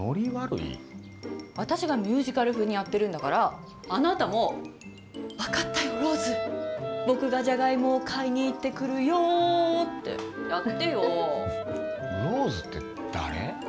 私がミュージカル風にやってるんだから、あなたも、分かったよ、ローズ、僕がジャガイモを買いに行ってくるよーって、やってローズって誰？